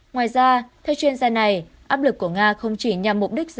ngoài ra theo chuyên gia này áp lực của nga không chỉ nhằm mục đích